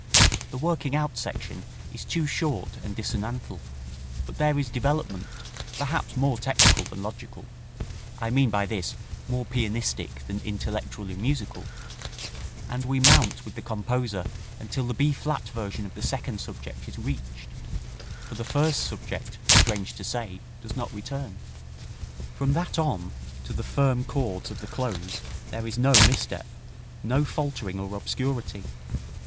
The working out section is too short and dissonantal, but there is development, perhaps more technical than logical I mean by this more pianistic than intellectually musical and we mount with the composer until the B flat version of the second subject is reached, for the first subject, strange to say, does not return. From that on to the firm chords of the close there is no misstep, no faltering or obscurity.